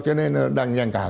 cho nên đằng dạng cả